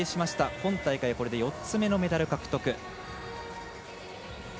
この大会これで４つ目のメダル獲得。